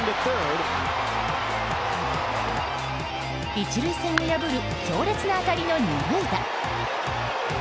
１塁線を破る強烈な当たりの２塁打。